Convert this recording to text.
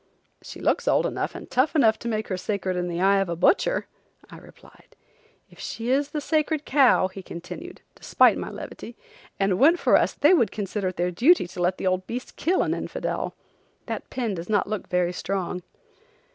"She looks old enough–and tough enough–to make her sacred in the eye of a butcher!" I replied. "If she is the sacred cow," he continued, despite my levity, "and went for us they would consider it their duty to let the old beast kill an infidel. That pin does not look very strong."